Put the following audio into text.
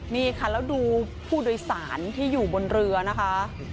นี่ค่ะแล้วดูผู้โดยสารที่อยู่บนเรือนะคะ